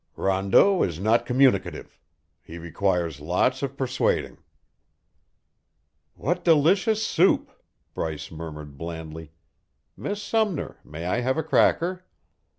"Rondeau is not communicative. He requires lots of persuading." "What delicious soup!" Bryce murmured blandly. "Miss Sumner, may I have a cracker?"